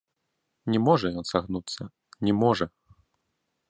Не можа ён сагнуцца, не можа.